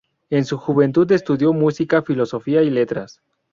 En su juventud estudió música, filosofía y letras.